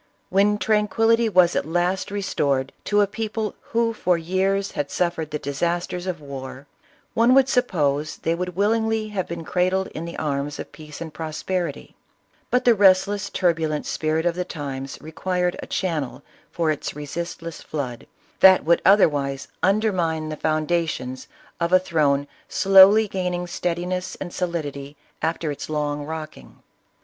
When tranquillity was at last restored to a people who for years had suffered the disasters of war, one would suppose they would willingly have been cradled in the arms of peace and prosperity ; but the restless, turbulent spirit of the times, required a channel for its resistless flood, that would otherwise undermine the ISABELLA OF CASTILE. 79 foundations of a throne slowly gaining steadiness and solidity after its long rocking.